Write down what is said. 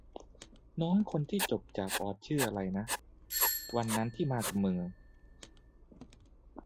น้องคนที่จบจากออสชื่ออะไรนะ ที่วันนั้นมากับมึง